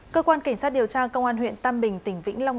cơ quan cảnh sát điều tra công an huyện tam bình tỉnh vĩnh long